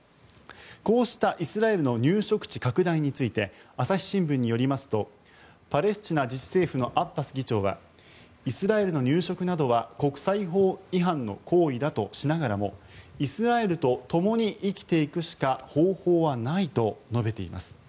こうしたイスラエルの入植地拡大について朝日新聞によりますとパレスチナ自治政府のアッバス議長はイスラエルの入植などは国際法違反の行為だとしながらもイスラエルと共に生きていくしか方法はないと述べています。